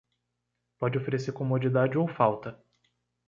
Pode oferecer comodidade ou falta.